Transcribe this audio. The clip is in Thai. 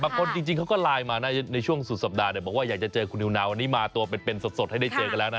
จริงเขาก็ไลน์มานะในช่วงสุดสัปดาห์เนี่ยบอกว่าอยากจะเจอคุณนิวนาววันนี้มาตัวเป็นสดให้ได้เจอกันแล้วนะ